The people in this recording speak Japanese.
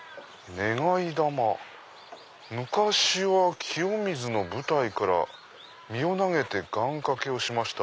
「願玉昔は清水の舞台から身を投げて願掛けをしました。